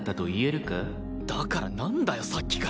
だからなんだよさっきから。